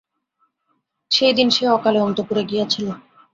সেইদিন সে অকালে অন্তঃপুরে গিয়াছিল।